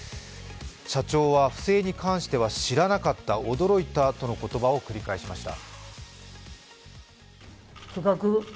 社長は不正に関しては知らなかった、驚いたとの言葉を繰り返しました。